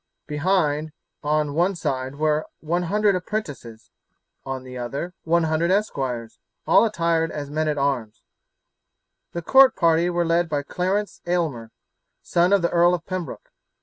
Behind, on one side, were 100 apprentices, on the other 100 esquires, all attired as men at arms. The court party were led by Clarence Aylmer, son of the Earl of Pembroke.